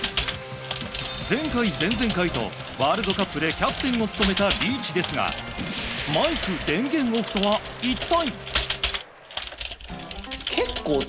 前回、前々回とワールドカップでキャプテンを務めたリーチですがマイク電源オフとは一体？